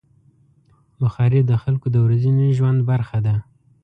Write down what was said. بخاري د خلکو د ورځني ژوند برخه ده.